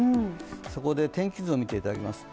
そこで天気図を見ていただきます